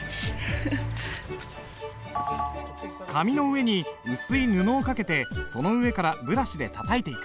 紙の上に薄い布をかけてその上からブラシでたたいていく。